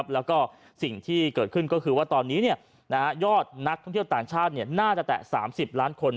แล้วก็สิ่งที่เกิดขึ้นก็คือว่าตอนนี้ยอดนักท่องเที่ยวต่างชาติน่าจะแตะ๓๐ล้านคน